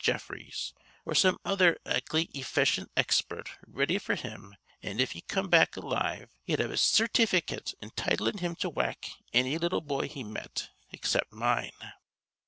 Jeffreys or some other akely efficient expert ready f'r him an' if he come back alive he'd have a certy ficate entitlin' him to whack anny little boy he met except mine.